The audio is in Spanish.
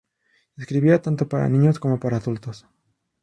Escribía tanto para niños como para adultos.